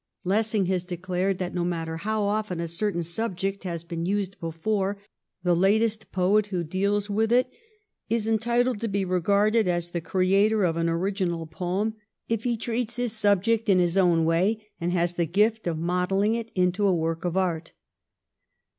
Lessing has declared that no matter how often a certain subject has been used before, the latest poet who deals with it is entitled to be regarded as the creator of an original poem if he treats his 240 THE REIGN OF QUEEN ANNE. ch. xxxn. subject in his own way and has the gift of modelling it into a work of art.